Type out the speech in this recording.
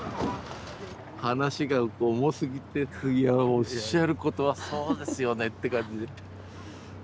おっしゃることはそうですよねって感じで。